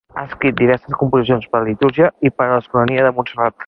Ha escrit diverses composicions per a la litúrgia i per a l'Escolania de Montserrat.